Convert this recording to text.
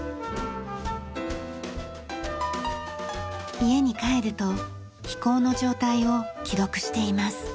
家に帰ると飛行の状態を記録しています。